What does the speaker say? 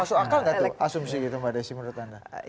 masuk akal nggak tuh asumsi gitu mbak desi menurut anda